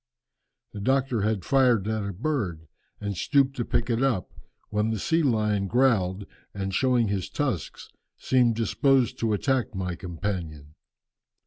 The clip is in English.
The doctor had fired at a bird, and stooped to pick it up, when the sea lion growled, and showing his tusks, seemed disposed to attack my companion.